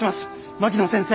槙野先生！